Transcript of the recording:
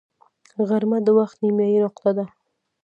غرمه د وخت نیمايي نقطه ده